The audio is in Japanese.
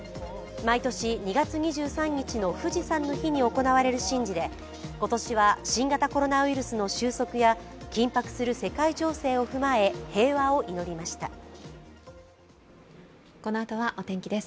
毎年２月２３日の富士山の日に行われる神事で今年は新型コロナウイルスの収束や緊迫する世界情勢を踏まえ平和を祈りました。